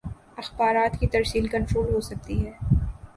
اخبارات کی ترسیل کنٹرول ہو سکتی ہے۔